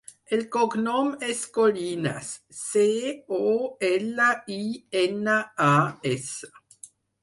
El cognom és Colinas: ce, o, ela, i, ena, a, essa.